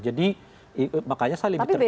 jadi makanya saya lebih tertarik